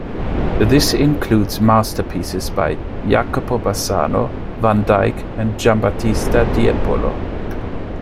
This includes masterpieces by Jacopo Bassano, Van Dyck and Giambattista Tiepolo.